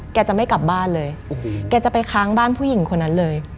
แกจะไม่กลับบ้านเลยแกจะไปค้างบ้านผู้หญิงคนนั้นเลย